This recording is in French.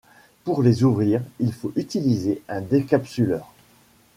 Pour les ouvrir, il faut utiliser un décapsuleur.